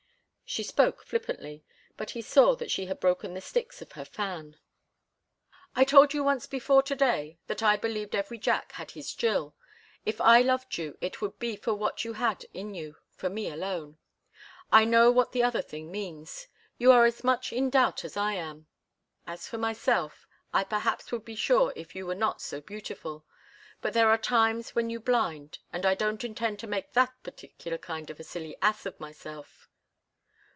She spoke flippantly, but he saw that she had broken the sticks of her fan. "I told you once before to day that I believed every Jack had his Jill. If I loved you it would be for what you had in you for me alone—I know what the other thing means. You are as much in doubt as I am. As for myself, I perhaps would be sure if you were not so beautiful; but there are times when you blind, and I don't intend to make that particular kind of a silly ass of myself."